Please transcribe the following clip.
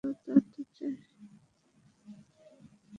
রমেশ যন্ত্রের মতো কহিল, তা তো চাই।